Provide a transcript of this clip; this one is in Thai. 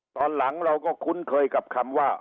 ตอนหลังเราก็คุ้นเคยกับคำว่า